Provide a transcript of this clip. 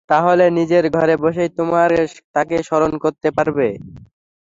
তাহলে নিজের ঘরে বসেই তোমরা তাকে স্মরণ করতে পারবে।